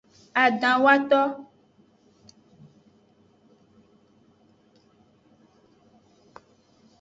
Adahwato.